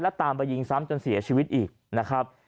ตามไปยิงซ้ำจนเสียชีวิตอีกนะครับ